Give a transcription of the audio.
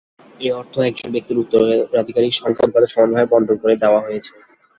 এ অর্থ একজন ব্যক্তির উত্তরাধিকার সংখ্যা অনুপাতে সমানভাবে বণ্টন করে দেওয়া হয়েছে।